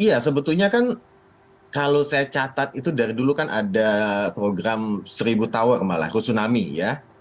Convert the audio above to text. iya sebetulnya kan kalau saya catat itu dari dulu kan ada program seribu tower malah rusunami ya